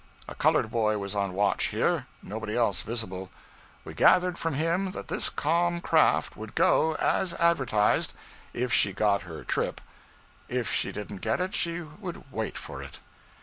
A colored boy was on watch here nobody else visible. We gathered from him that this calm craft would go, as advertised, 'if she got her trip;' if she didn't get it, she would wait for it.